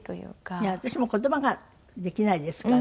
いや私も言葉ができないですから。